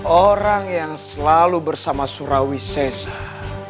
orang yang selalu bersama surawi sesah